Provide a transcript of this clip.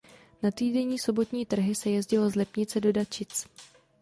Na týdenní sobotní trhy se jezdilo z Lipnice do Dačic.